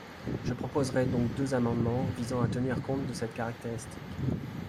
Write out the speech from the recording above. Je proposerai donc deux amendements visant à tenir compte de cette caractéristique.